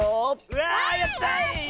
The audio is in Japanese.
うわやった！